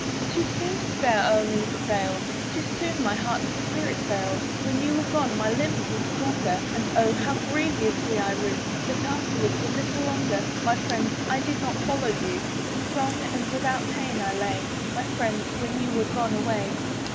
Too soon despair o'er me prevailed; Too soon my heartless spirit failed; When you were gone my limbs were stronger, And Oh how grievously I rue, That, afterwards, a little longer, My friends, I did not follow you! For strong and without pain I lay, My friends, when you were gone away.